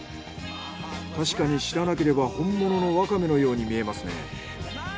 たしかに知らなければ本物のワカメのように見えますね。